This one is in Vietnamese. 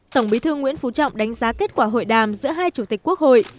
tổng bí thư nguyễn phú trọng đánh giá kết quả hội đàm giữa hai chủ tịch quốc hội